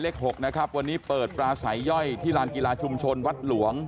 หกนะครับวันนี้เปิดปลาสายย่อยที่ลานกีฬาชุมชนวัดหลวง